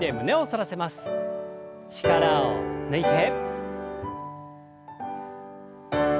力を抜いて。